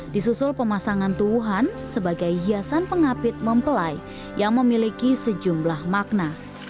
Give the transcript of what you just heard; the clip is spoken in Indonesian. disusul pemasangan tuhan sebagai hiasan pengapit mempelai yang memiliki sejumlah makna